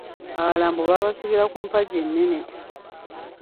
Abalala mbu baabasibira ku mpagi ennene.